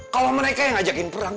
kalau mereka yang ngajakin perang